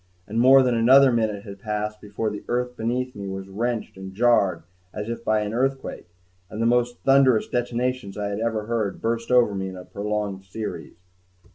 And more than another minute had passed before the earth beneath me was wrenched and jarred as if by an earthquake and the most thunderous detonations I had ever heard burst over me in a prolonged series.